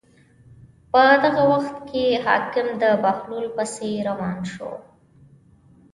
په دغه وخت کې حاکم د بهلول پسې روان شو.